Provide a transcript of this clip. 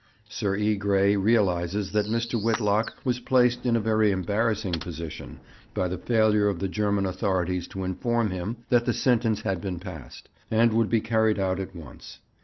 'Sir E. Grey realizes that Mr. Whitlock was placed in a very embarrassing position by the failure of the German authorities to inform him that the sentence had been passed, and would be carried out at once.